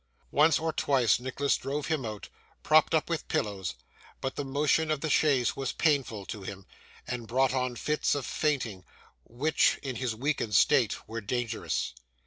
Once or twice, Nicholas drove him out, propped up with pillows; but the motion of the chaise was painful to him, and brought on fits of fainting, which, in his weakened state, were dangerous.